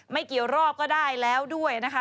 ไม่เกี่ยวรอบก็ได้แล้วด้วยนะคะ